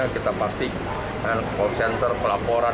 kita pasti konfisien terpelaporan